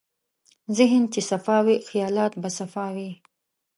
ذهن چې صفا وي، خیالات به صفا وي.